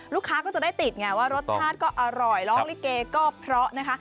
ก็จะได้ติดไงว่ารสชาติก็อร่อยร้องลิเกก็เพราะนะคะ